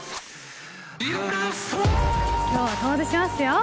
きょうは遠出しますよ。